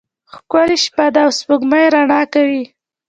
ښکلی شپه ده او سپوږمۍ رڼا کوي.